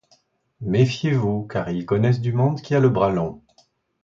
Méfiez-vous, car ils connaissent du monde qui a le bras long.